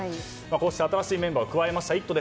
新しいメンバーを加えました「イット！」